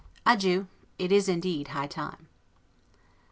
Adieu! It is indeed high time.